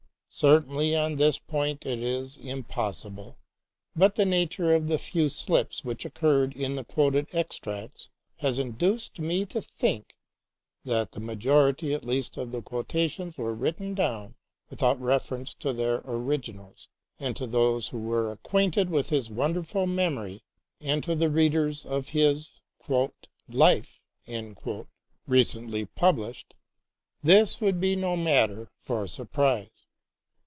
Certainty on this point is impossible, but the nature of the few slips which occurred in the quoted extracts has induced me to think that the majority at least of the quotations were written down without reference to their originals; and to those who were acquainted with his wonderful memory, and to the readers of his " Life," recently published, this would be no matter for surprise.